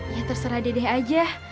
ya terserah dedek aja